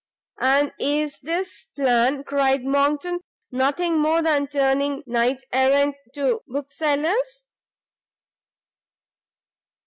"And is this plan," cried Monckton, "nothing more than turning Knight errant to the Booksellers?"